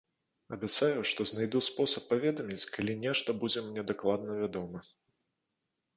Абяцаю, што знайду спосаб паведаміць, калі нешта будзе мне дакладна вядома.